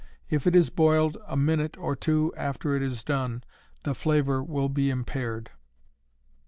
If it is boiled a minute or two after it is done the flavor will be impaired.